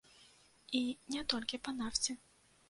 І не толькі па нафце.